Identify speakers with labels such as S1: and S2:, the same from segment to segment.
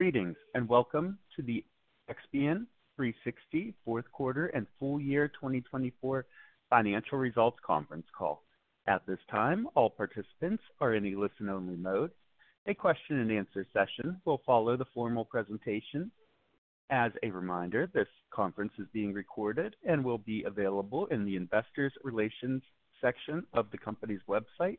S1: Greetings and welcome to the Expion360 fourth quarter and full year 2024 financial results conference call. At this time, all participants are in a listen-only mode. A question-and-answer session will follow the formal presentation. As a reminder, this conference is being recorded and will be available in the Investor Relations section of the company's website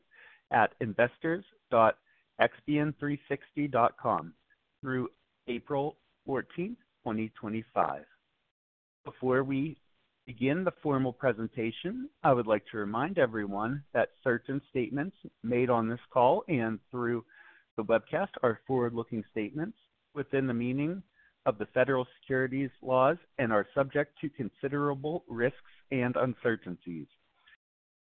S1: at investors.expion360.com through April 14, 2025. Before we begin the formal presentation, I would like to remind everyone that certain statements made on this call and through the webcast are forward-looking statements within the meaning of the federal securities laws and are subject to considerable risks and uncertainties.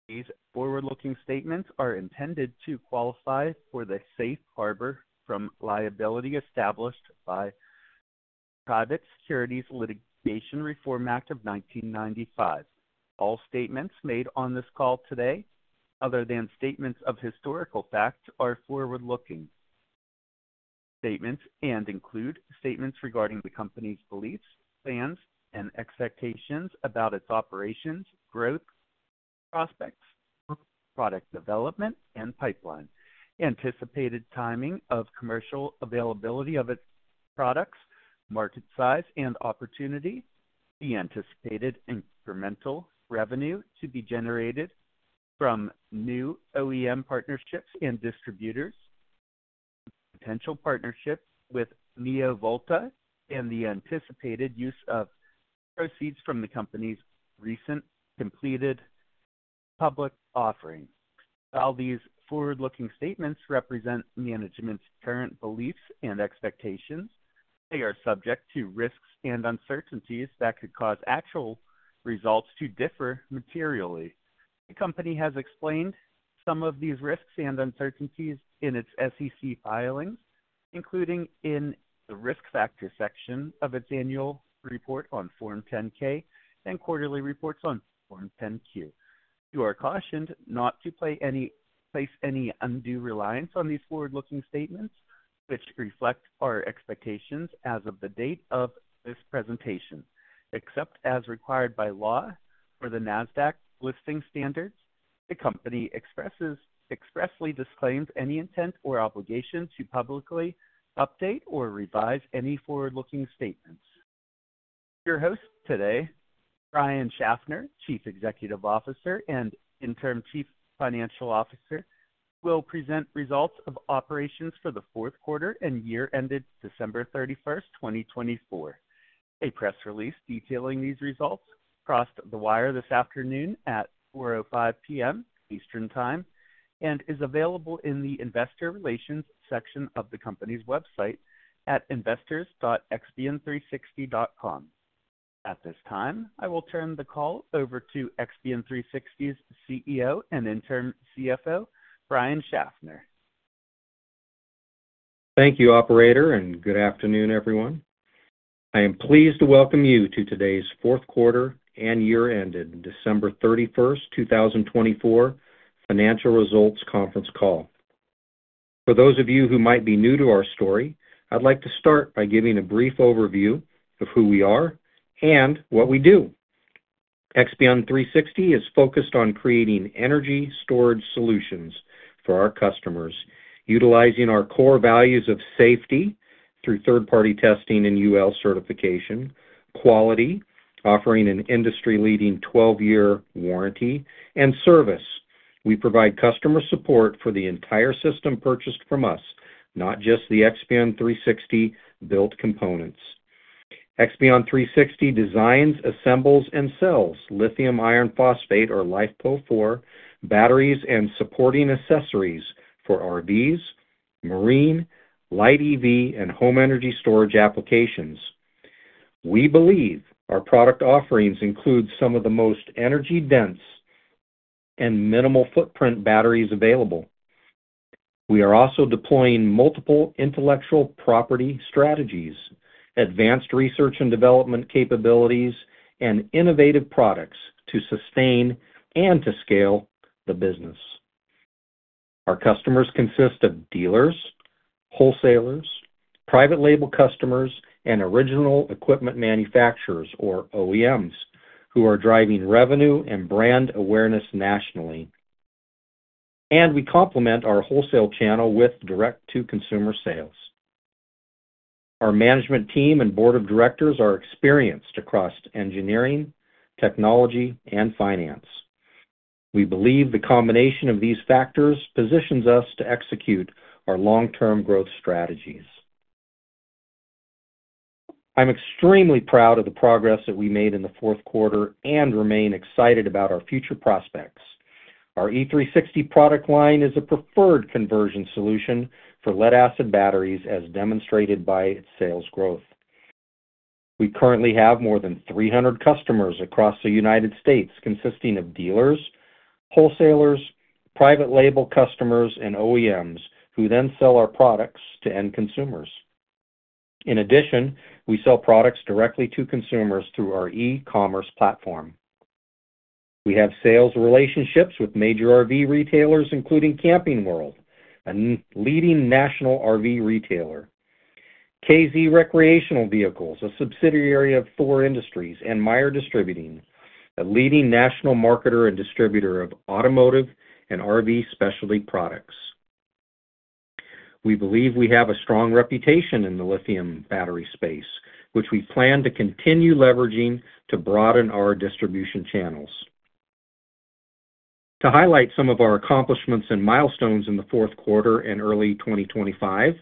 S1: These forward-looking statements are intended to qualify for the safe harbor from liability established by the Private Securities Litigation Reform Act of 1995. All statements made on this call today, other than statements of historical fact, are forward-looking statements and include statements regarding the company's beliefs, plans, and expectations about its operations, growth, prospects, product development, and pipeline; anticipated timing of commercial availability of its products, market size and opportunity; the anticipated incremental revenue to be generated from new OEM partnerships and distributors; potential partnerships with NeoVolta; and the anticipated use of proceeds from the company's recent completed public offering. While these forward-looking statements represent management's current beliefs and expectations, they are subject to risks and uncertainties that could cause actual results to differ materially. The company has explained some of these risks and uncertainties in its SEC filings, including in the risk factor section of its annual report on Form 10-K and quarterly reports on Form 10-Q. You are cautioned not to place any undue reliance on these forward-looking statements, which reflect our expectations as of the date of this presentation. Except as required by law for the NASDAQ listing standards, the company expressly disclaims any intent or obligation to publicly update or revise any forward-looking statements. Your host today, Brian Schaffner, Chief Executive Officer and Interim Chief Financial Officer, will present results of operations for the fourth quarter and year ended December 31st, 2024. A press release detailing these results crossed the wire this afternoon at 4:05 P.M. Eastern Time and is available in the Investor Relations section of the company's website at investors.expion360.com. At this time, I will turn the call over to Expion360's CEO and Interim CFO, Brian Schaffner.
S2: Thank you, Operator, and good afternoon, everyone. I am pleased to welcome you to today's fourth quarter and year ended December 31st, 2024 financial results conference call. For those of you who might be new to our story, I'd like to start by giving a brief overview of who we are and what we do. Expion360 is focused on creating energy storage solutions for our customers, utilizing our core values of safety through third-party testing and UL certification, quality, offering an industry-leading 12-year warranty, and service. We provide customer support for the entire system purchased from us, not just the Expion360 built components. Expion360 designs, assembles, and sells lithium iron phosphate or LiFePO4 batteries and supporting accessories for RVs, marine, light EV, and home energy storage applications. We believe our product offerings include some of the most energy-dense and minimal footprint batteries available. We are also deploying multiple intellectual property strategies, advanced research and development capabilities, and innovative products to sustain and to scale the business. Our customers consist of dealers, wholesalers, private label customers, and original equipment manufacturers or OEMs who are driving revenue and brand awareness nationally. We complement our wholesale channel with direct-to-consumer sales. Our management team and board of directors are experienced across engineering, technology, and finance. We believe the combination of these factors positions us to execute our long-term growth strategies. I'm extremely proud of the progress that we made in the fourth quarter and remain excited about our future prospects. Our E360 product line is a preferred conversion solution for lead-acid batteries, as demonstrated by its sales growth. We currently have more than 300 customers across the United States consisting of dealers, wholesalers, private label customers, and OEMs who then sell our products to end consumers. In addition, we sell products directly to consumers through our e-commerce platform. We have sales relationships with major RV retailers, including Camping World, a leading national RV retailer, KZ Recreational Vehicles, a subsidiary of Thor Industries, and Meyer Distributing, a leading national marketer and distributor of automotive and RV specialty products. We believe we have a strong reputation in the lithium battery space, which we plan to continue leveraging to broaden our distribution channels. To highlight some of our accomplishments and milestones in the fourth quarter and early 2025,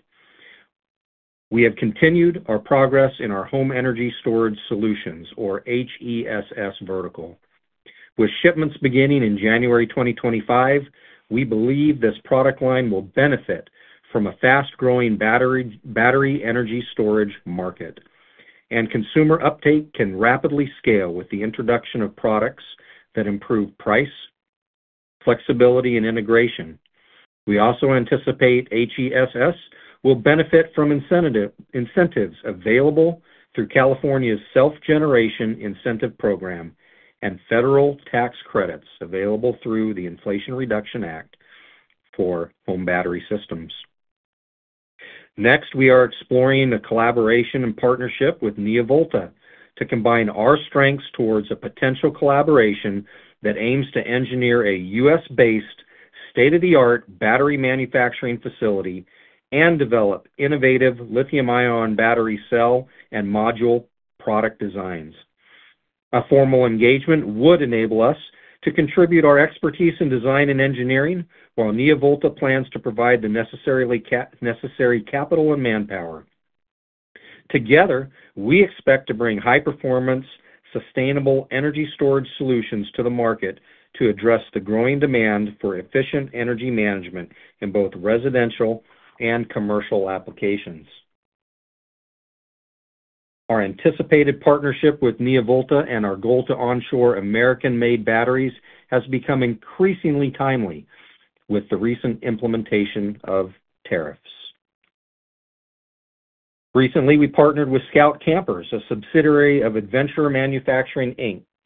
S2: we have continued our progress in our home energy storage solutions, or HESS, vertical. With shipments beginning in January 2025, we believe this product line will benefit from a fast-growing battery energy storage market, and consumer uptake can rapidly scale with the introduction of products that improve price, flexibility, and integration. We also anticipate HESS will benefit from incentives available through California's Self-Generation Incentive Program and federal tax credits available through the Inflation Reduction Act for home battery systems. Next, we are exploring a collaboration and partnership with NeoVolta to combine our strengths towards a potential collaboration that aims to engineer a U.S.-based state-of-the-art battery manufacturing facility and develop innovative lithium-ion battery cell and module product designs. A formal engagement would enable us to contribute our expertise in design and engineering while NeoVolta plans to provide the necessary capital and manpower. Together, we expect to bring high-performance, sustainable energy storage solutions to the market to address the growing demand for efficient energy management in both residential and commercial applications. Our anticipated partnership with NeoVolta and our goal to onshore American-made batteries has become increasingly timely with the recent implementation of tariffs. Recently, we partnered with Scout Campers, a subsidiary of Adventurer Manufacturing,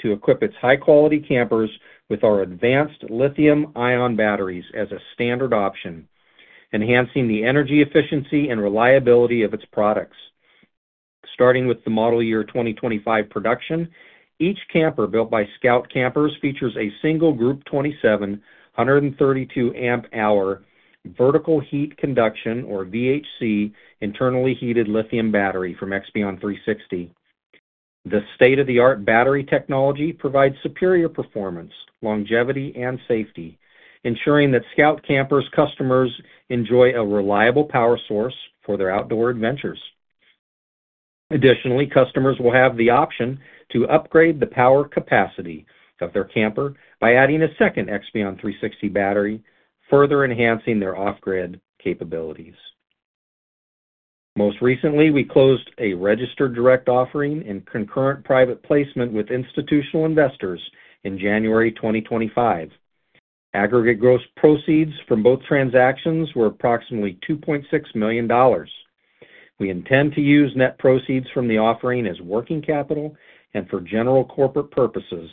S2: to equip its high-quality campers with our advanced lithium-ion batteries as a standard option, enhancing the energy efficiency and reliability of its products. Starting with the model year 2025 production, each camper built by Scout Campers features a single Group 27, 132 amp-hour Vertical Heat Conduction, or VHC, internally heated lithium battery from Expion360. The state-of-the-art battery technology provides superior performance, longevity, and safety, ensuring that Scout Campers' customers enjoy a reliable power source for their outdoor adventures. Additionally, customers will have the option to upgrade the power capacity of their camper by adding a second Expion360 battery, further enhancing their off-grid capabilities. Most recently, we closed a registered direct offering and concurrent private placement with institutional investors in January 2025. Aggregate gross proceeds from both transactions were approximately $2.6 million. We intend to use net proceeds from the offering as working capital and for general corporate purposes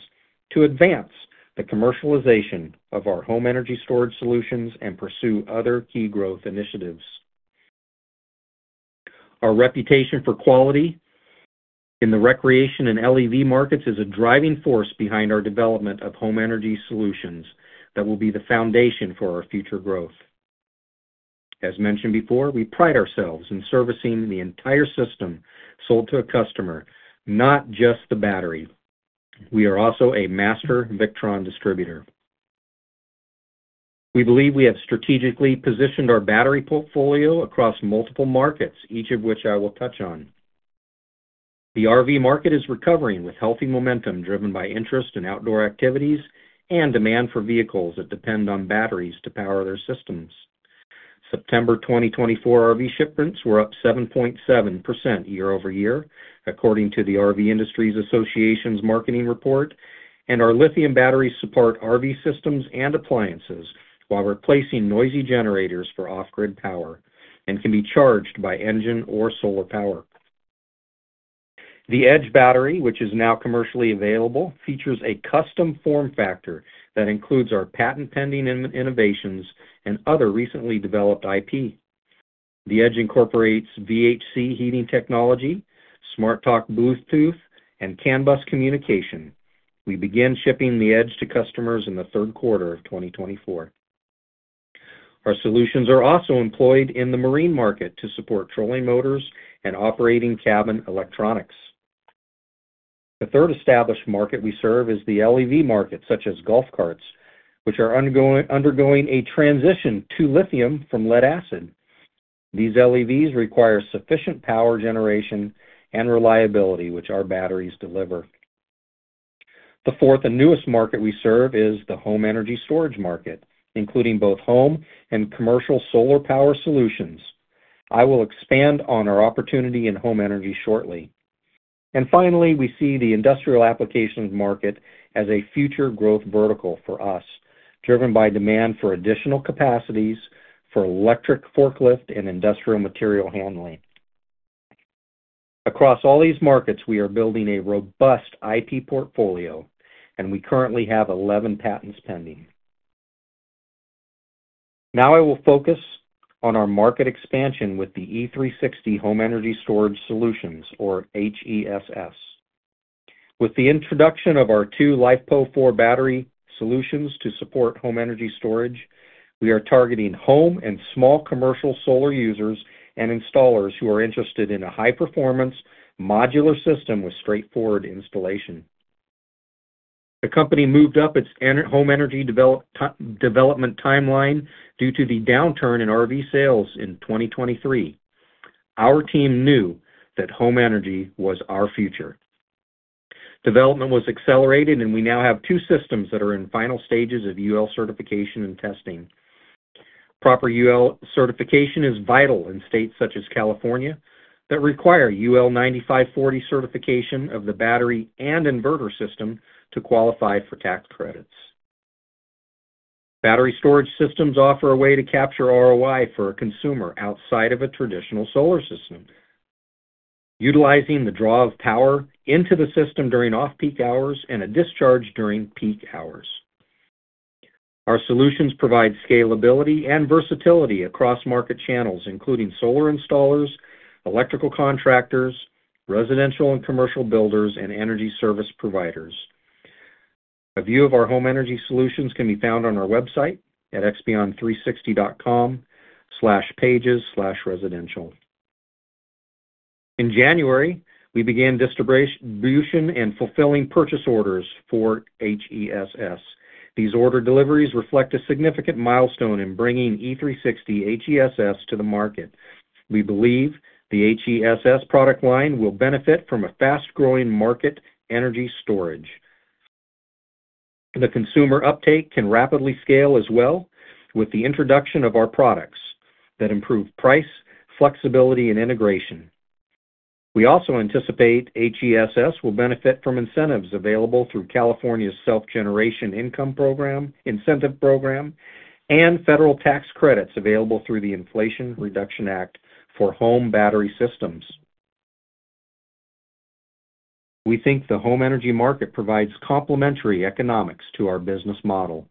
S2: to advance the commercialization of our home energy storage solutions and pursue other key growth initiatives. Our reputation for quality in the recreation and LEV markets is a driving force behind our development of home energy solutions that will be the foundation for our future growth. As mentioned before, we pride ourselves in servicing the entire system sold to a customer, not just the battery. We are also a master Victron distributor. We believe we have strategically positioned our battery portfolio across multiple markets, each of which I will touch on. The RV market is recovering with healthy momentum driven by interest in outdoor activities and demand for vehicles that depend on batteries to power their systems. September 2024 RV shipments were up 7.7% year-over-year, according to the RV Industry Association's marketing report, and our lithium batteries support RV systems and appliances while replacing noisy generators for off-grid power and can be charged by engine or solar power. The Edge battery, which is now commercially available, features a custom form factor that includes our patent-pending innovations and other recently developed IP. The Edge incorporates VHC heating technology, SmartTalk Bluetooth, and CAN bus communication. We begin shipping the Edge to customers in the third quarter of 2024. Our solutions are also employed in the marine market to support trolling motors and operating cabin electronics. The third established market we serve is the LEV market, such as golf carts, which are undergoing a transition to lithium from lead-acid. These LEVs require sufficient power generation and reliability, which our batteries deliver. The fourth and newest market we serve is the home energy storage market, including both home and commercial solar power solutions. I will expand on our opportunity in home energy shortly. Finally, we see the industrial applications market as a future growth vertical for us, driven by demand for additional capacities for electric forklift and industrial material handling. Across all these markets, we are building a robust IP portfolio, and we currently have 11 patents pending. Now I will focus on our market expansion with the E360 Home Energy Storage Solutions, or HESS. With the introduction of our two LiFePO4 battery solutions to support home energy storage, we are targeting home and small commercial solar users and installers who are interested in a high-performance, modular system with straightforward installation. The company moved up its home energy development timeline due to the downturn in RV sales in 2023. Our team knew that home energy was our future. Development was accelerated, and we now have two systems that are in final stages of UL certification and testing. Proper UL certification is vital in states such as California that require UL 9540 certification of the battery and inverter system to qualify for tax credits. Battery storage systems offer a way to capture ROI for a consumer outside of a traditional solar system, utilizing the draw of power into the system during off-peak hours and a discharge during peak hours. Our solutions provide scalability and versatility across market channels, including solar installers, electrical contractors, residential and commercial builders, and energy service providers. A view of our home energy solutions can be found on our website at expion360.com/pages/residential. In January, we began distribution and fulfilling purchase orders for HESS. These order deliveries reflect a significant milestone in bringing E360 HESS to the market. We believe the HESS product line will benefit from a fast-growing market energy storage. The consumer uptake can rapidly scale as well with the introduction of our products that improve price, flexibility, and integration. We also anticipate HESS will benefit from incentives available through California's Self-Generation Incentive Program and federal tax credits available through the Inflation Reduction Act for home battery systems. We think the home energy market provides complementary economics to our business model,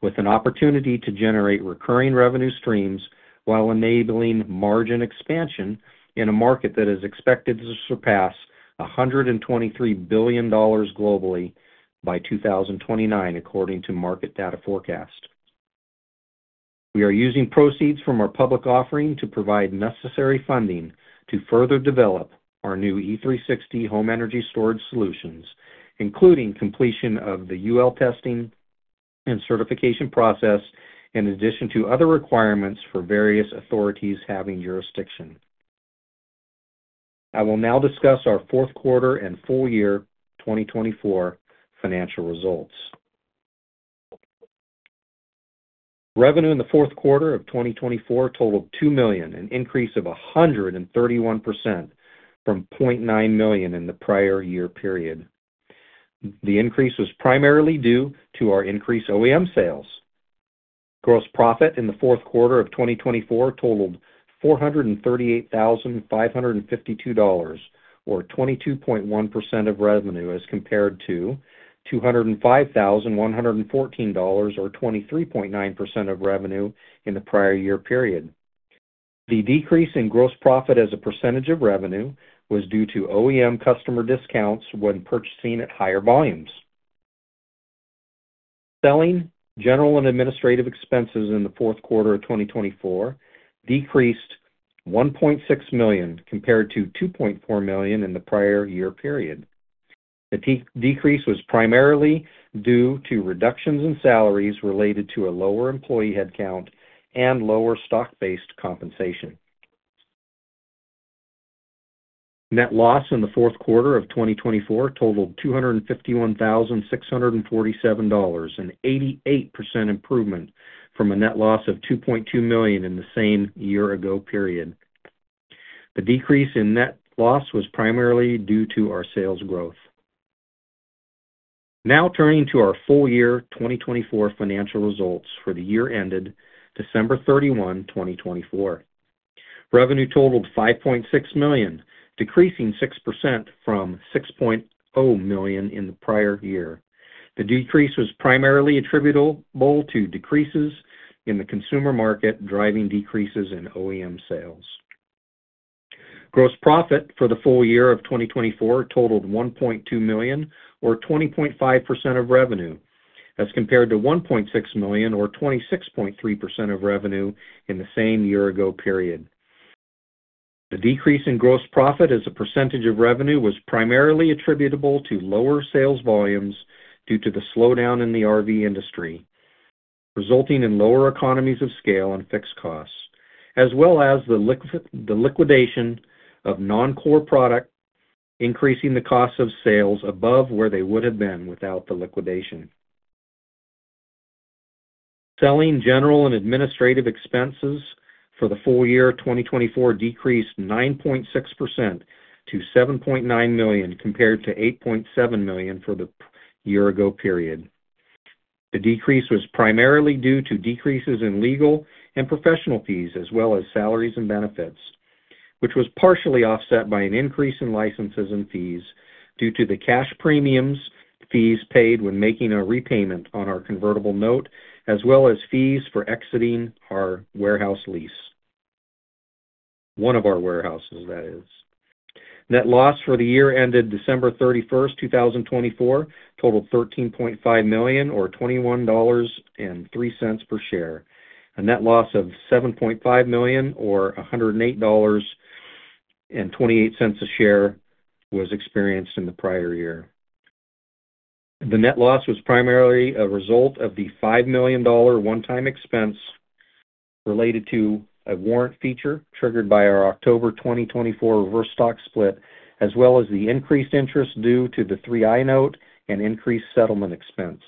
S2: with an opportunity to generate recurring revenue streams while enabling margin expansion in a market that is expected to surpass $123 billion globally by 2029, according to Market Data Forecast. We are using proceeds from our public offering to provide necessary funding to further develop our new E360 Home Energy Storage Solutions, including completion of the UL testing and certification process, in addition to other requirements for various authorities having jurisdiction. I will now discuss our fourth quarter and full year 2024 financial results. Revenue in the fourth quarter of 2024 totaled $2 million, an increase of 131% from $0.9 million in the prior year period. The increase was primarily due to our increased OEM sales. Gross profit in the fourth quarter of 2024 totaled $438,552, or 22.1% of revenue, as compared to $205,114, or 23.9% of revenue in the prior year period. The decrease in gross profit as a percentage of revenue was due to OEM customer discounts when purchasing at higher volumes. Selling, general and administrative expenses in the fourth quarter of 2024 decreased $1.6 million compared to $2.4 million in the prior year period. The decrease was primarily due to reductions in salaries related to a lower employee headcount and lower stock-based compensation. Net loss in the fourth quarter of 2024 totaled $251,647, an 88% improvement from a net loss of $2.2 million in the same year-ago period. The decrease in net loss was primarily due to our sales growth. Now turning to our full year 2024 financial results for the year ended December 31, 2024. Revenue totaled $5.6 million, decreasing 6% from $6.0 million in the prior year. The decrease was primarily attributable to decreases in the consumer market driving decreases in OEM sales. Gross profit for the full year of 2024 totaled $1.2 million, or 20.5% of revenue, as compared to $1.6 million, or 26.3% of revenue in the same year ago period. The decrease in gross profit as a percentage of revenue was primarily attributable to lower sales volumes due to the slowdown in the RV industry, resulting in lower economies of scale and fixed costs, as well as the liquidation of non-core product, increasing the cost of sales above where they would have been without the liquidation. Selling, general and administrative expenses for the full year 2024 decreased 9.6% to $7.9 million compared to $8.7 million for the year ago period. The decrease was primarily due to decreases in legal and professional fees, as well as salaries and benefits, which was partially offset by an increase in licenses and fees due to the cash premiums fees paid when making a repayment on our convertible note, as well as fees for exiting our warehouse lease, one of our warehouses, that is. Net loss for the year ended December 31st, 2024, totaled $13.5 million, or $21.03 per share. A net loss of $7.5 million, or $108.28 a share, was experienced in the prior year. The net loss was primarily a result of the $5 million one-time expense related to a warrant feature triggered by our October 2024 reverse stock split, as well as the increased interest due to the 3i note and increased settlement expense.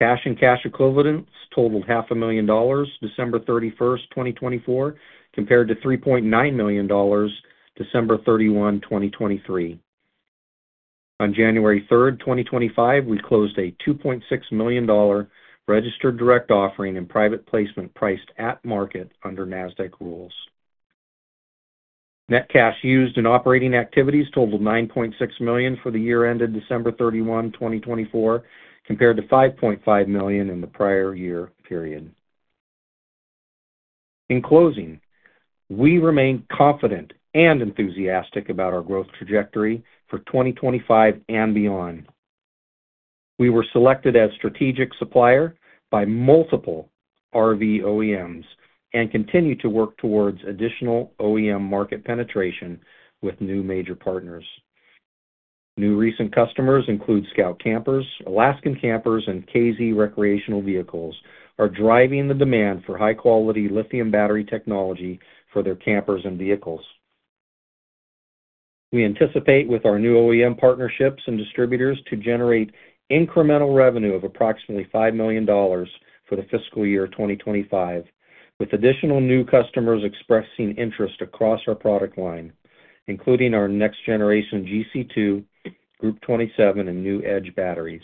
S2: Cash and cash equivalents totaled $500,000, December 31st, 2024, compared to $3.9 million, December 31, 2023. On January 3rd, 2025, we closed a $2.6 million registered direct offering and private placement priced at market under NASDAQ rules. Net cash used in operating activities totaled $9.6 million for the year ended December 31, 2024, compared to $5.5 million in the prior year period. In closing, we remain confident and enthusiastic about our growth trajectory for 2025 and beyond. We were selected as strategic supplier by multiple RV OEMs and continue to work towards additional OEM market penetration with new major partners. New recent customers include Scout Campers, Alaskan Campers, and KZ Recreational Vehicles, who are driving the demand for high-quality lithium battery technology for their campers and vehicles. We anticipate with our new OEM partnerships and distributors to generate incremental revenue of approximately $5 million for the fiscal year 2025, with additional new customers expressing interest across our product line, including our next-generation GC2, Group 27, and new Edge batteries.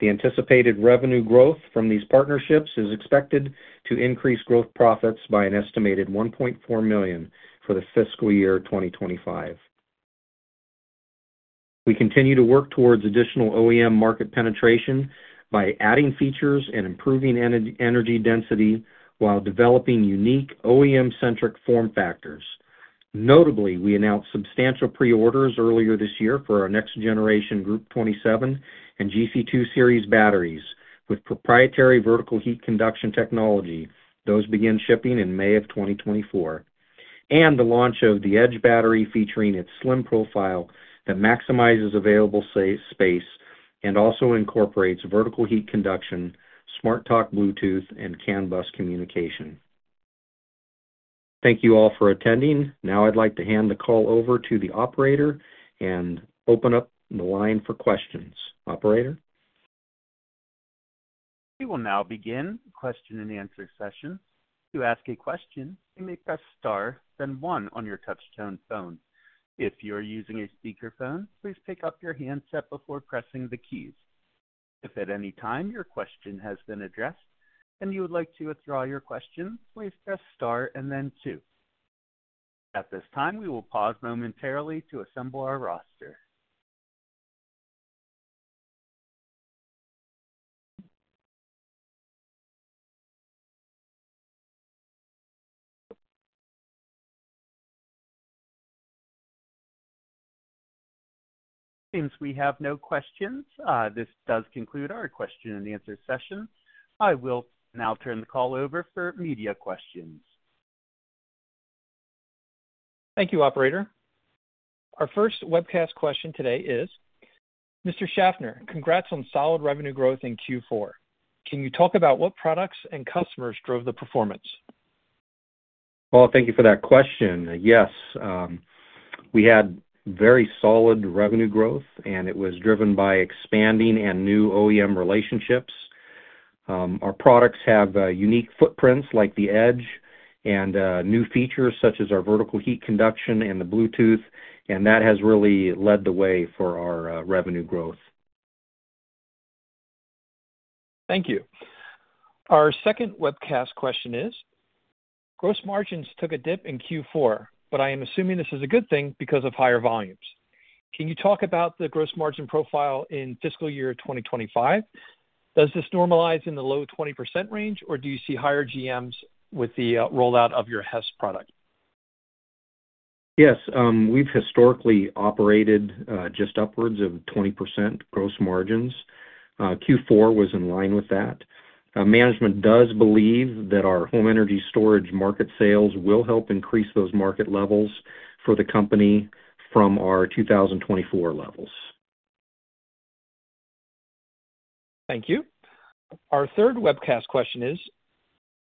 S2: The anticipated revenue growth from these partnerships is expected to increase gross profits by an estimated $1.4 million for the fiscal year 2025. We continue to work towards additional OEM market penetration by adding features and improving energy density while developing unique OEM-centric form factors. Notably, we announced substantial pre-orders earlier this year for our next-generation Group 27 and GC2 series batteries with proprietary Vertical Heat Conduction technology. Those begin shipping in May of 2024, and the launch of the Edge battery featuring its slim profile that maximizes available space and also incorporates Vertical Heat Conduction, SmartTalk Bluetooth, and CAN bus communication. Thank you all for attending. Now I'd like to hand the call over to the operator and open up the line for questions. Operator.
S1: We will now begin the question-and-answer session. To ask a question, you may press star then one on your touch-tone phone. If you are using a speakerphone, please pick up your handset before pressing the keys. If at any time your question has been addressed and you would like to withdraw your question, please press star and then two. At this time, we will pause momentarily to assemble our roster. Since we have no questions, this does conclude our question-and-answer session. I will now turn the call over for media questions.
S3: Thank you, Operator. Our first webcast question today is: Mr. Schaffner, congrats on solid revenue growth in Q4. Can you talk about what products and customers drove the performance?
S2: Well, thank you for that question. Yes, we had very solid revenue growth, and it was driven by expanding and new OEM relationships. Our products have unique footprints like the Edge and new features such as our Vertical Heat Conduction and the Bluetooth, and that has really led the way for our revenue growth.
S3: Thank you. Our second webcast question is: Gross margins took a dip in Q4, but I am assuming this is a good thing because of higher volumes. Can you talk about the gross margin profile in fiscal year 2025? Does this normalize in the low 20% range, or do you see higher GMs with the rollout of your HESS product?
S2: Yes, we've historically operated just upwards of 20% gross margins. Q4 was in line with that. Management does believe that our home energy storage market sales will help increase those market levels for the company from our 2024 levels.
S3: Thank you. Our third webcast question is: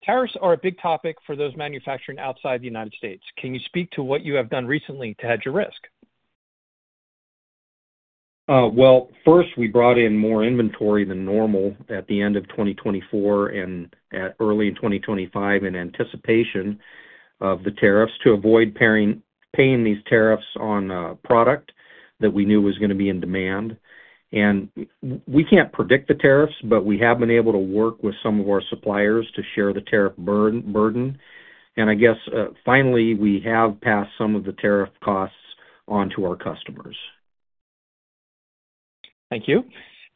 S3: Tariffs are a big topic for those manufacturing outside United States. Can you speak to what you have done recently to hedge your risk?
S2: First, we brought in more inventory than normal at the end of 2024 and early in 2025 in anticipation of the tariffs to avoid paying these tariffs on a product that we knew was going to be in demand. We cannot predict the tariffs, but we have been able to work with some of our suppliers to share the tariff burden. Finally, we have passed some of the tariff costs onto our customers.
S3: Thank you.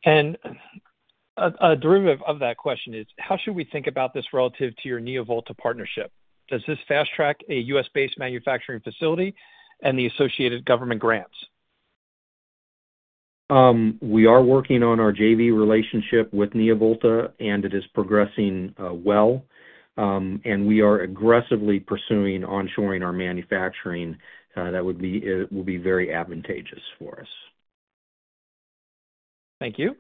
S3: A derivative of that question is: How should we think about this relative to your NeoVolta partnership? Does this fast-track a U.S.-based manufacturing facility and the associated government grants?
S2: We are working on our JV relationship with NeoVolta, and it is progressing well. We are aggressively pursuing onshoring our manufacturing. That would be very advantageous for us.
S3: Thank you.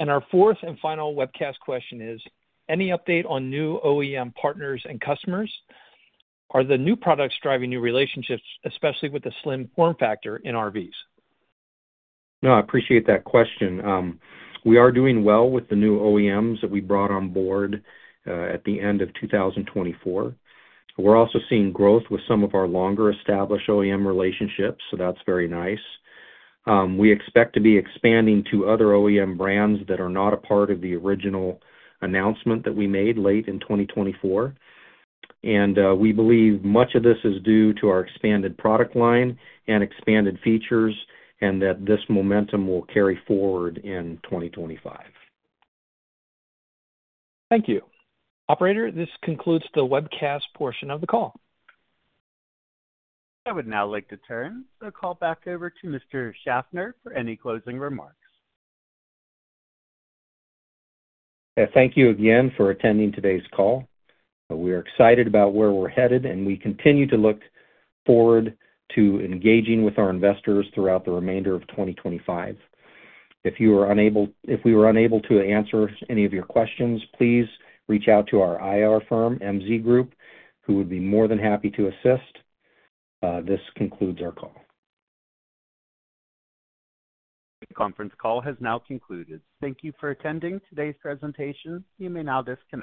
S3: Our fourth and final webcast question is: Any update on new OEM partners and customers? Are the new products driving new relationships, especially with the slim form factor in RVs?
S2: No, I appreciate that question. We are doing well with the new OEMs that we brought on board at the end of 2024. We are also seeing growth with some of our longer-established OEM relationships, so that is very nice. We expect to be expanding to other OEM brands that are not a part of the original announcement that we made late in 2024. We believe much of this is due to our expanded product line and expanded features and that this momentum will carry forward in 2025.
S3: Thank you. Operator, this concludes the webcast portion of the call.
S1: I would now like to turn the call back over to Mr. Schaffner for any closing remarks.
S2: Thank you again for attending today's call. We are excited about where we're headed, and we continue to look forward to engaging with our investors throughout the remainder of 2025. If we were unable to answer any of your questions, please reach out to our IR firm, MZ Group, who would be more than happy to assist. This concludes our call.
S1: The conference call has now concluded. Thank you for attending today's presentation. You may now disconnect.